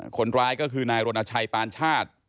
คนร้ายก็คือนายรณชัยปานชาติ